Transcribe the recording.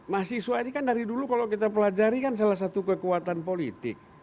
mahasiswa ini kan dari dulu kalau kita pelajari kan salah satu kekuatan politik